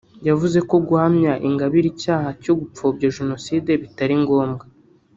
yavuze ko guhamya Ingabire icyaha cyo gupfobya Jenoside bitari ngombwa